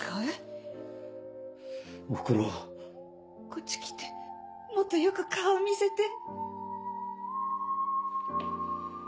こっち来てもっとよく顔見せて。